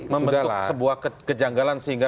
membentuk sebuah kejanggalan sehingga